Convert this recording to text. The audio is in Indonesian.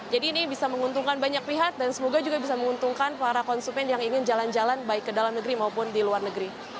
jadi ini bisa menguntungkan banyak pihak dan semoga juga bisa menguntungkan para konsumen yang ingin jalan jalan baik ke dalam negeri maupun di luar negeri